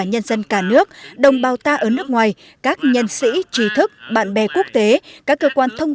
nhân dân cả nước đồng bào ta ở nước ngoài các nhân sĩ trí thức bạn bè quốc tế các cơ quan thông